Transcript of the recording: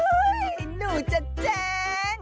อุ๊ยหนูจัดแจ้ง